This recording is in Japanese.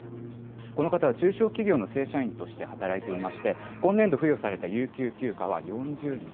この方は中小企業の正社員として働いていまして、今年度付与された有給休暇は４０日。